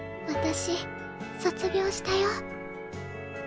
私卒業したよ。